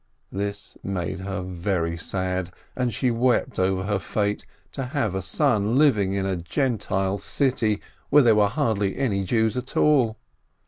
This made her very sad, and she wept over her fate — to have a son living in a Gentile city, where there were hardly any Jews at all.